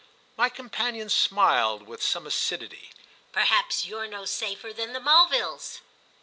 My companion smiled with some acidity "Perhaps you're no safer than the Mulvilles!"